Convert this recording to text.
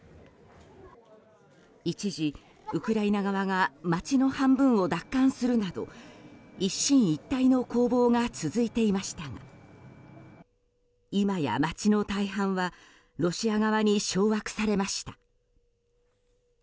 一時、ウクライナ側が街の半分を奪還するなど一進一退の攻防が続いていましたが今や街の大半はロシア側に掌握されました。